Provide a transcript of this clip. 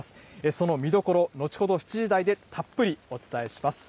その見どころ、後ほど７時台でたっぷりお伝えします。